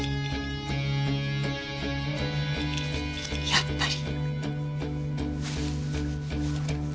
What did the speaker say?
やっぱり。